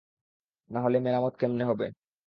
নাহলে, মেরামত কেমনে হবে?